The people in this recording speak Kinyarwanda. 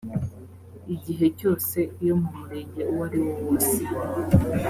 igihe cyose iyo mu murenge uwo ariwo wose